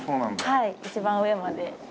はい一番上まで。